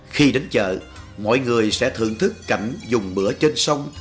khi đến chợ mọi người sẽ thưởng thức cảnh dùng bữa trên sông